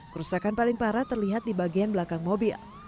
kerusakan paling parah terlihat di bagian belakang mobil